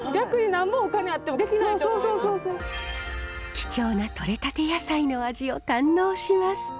貴重なとれたて野菜の味を堪能します。